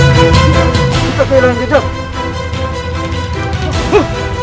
tidak ada yang tahu